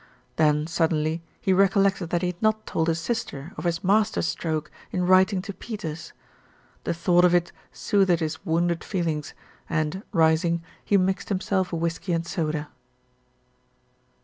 Then suddenly he recollected that he had not told his sister of his master stroke in writing to Peters. The thought of it soothed his wounded feelings and, rising, he mixed himself a whisky and soda.